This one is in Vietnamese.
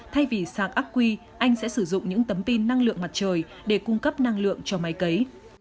thay vì sạc ác quy anh sẽ sử dụng những tấm pin năng lượng mặt trời để cung cấp năng lượng cho máy cấy